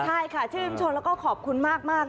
ใช่ค่ะชื่นชมแล้วก็ขอบคุณมาก